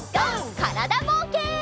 からだぼうけん。